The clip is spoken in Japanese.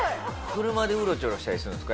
車でウロチョロしたりするんですか？